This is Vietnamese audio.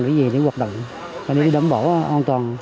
để gì để quật